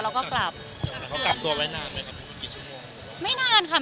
แล้วเค้ากลับตัวไว้นานไหมครับกี่ชั่วโมง